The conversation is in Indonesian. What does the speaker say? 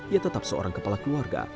ia tetap seorang kepala keluarga